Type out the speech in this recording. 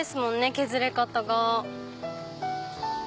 削れ方が。